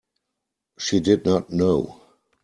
She did not know.